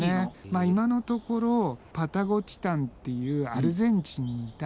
まあ今のところパタゴティタンっていうアルゼンチンにいたやつが。